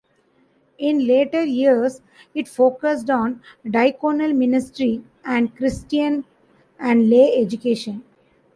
In later years, it focused on diaconal ministry and Christian and lay education.